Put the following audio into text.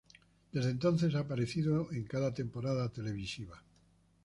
Desde entonces ha aparecido en cada temporada televisiva.